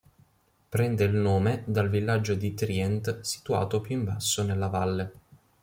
Prende il nome dal villaggio di Trient situato più in basso nella valle.